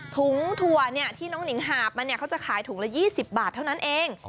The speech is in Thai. ถุงถั่วที่น้องหนิงหาดมาจะขายถุงละ๒๐บาทเท่านั้นเอง